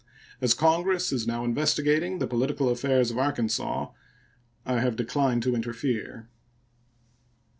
As Congress is now investigating the political affairs of Arkansas, I have declined to interfere.